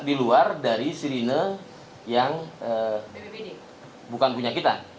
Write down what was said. di luar dari sirine yang bukan punya kita